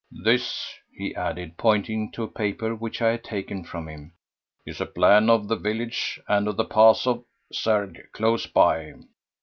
"This," he added, pointing to a paper which I had taken from him, "is a plan of the village and of the Pass of Cergues close by.